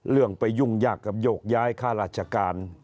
เรื่องไปยุ่งยากกับโยกย้ายค่าราชการ